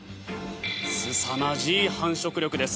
すさまじい繁殖力です。